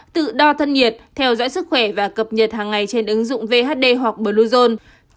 tự đo thân nhiệt theo dõi sức khỏe và cập nhật hàng ngày trên ứng dụng vhd hoặc bluezone